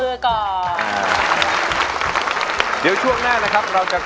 คุณแม่รู้สึกยังไงในตัวของกุ้งอิงบ้าง